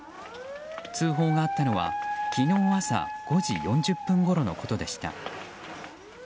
通報があったのは昨日朝５時４０分ごろのことでした。